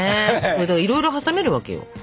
いろいろ挟めるわけよ。